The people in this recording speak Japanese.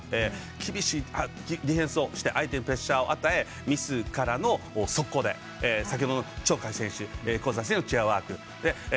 厳しいディフェンスをして相手にプレッシャーを与えミスからの速攻で先ほどの鳥海選手のチェアワーク。